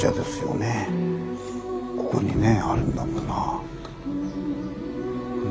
ここにねあるんだもんな。